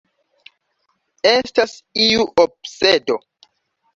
Estas iu obsedo.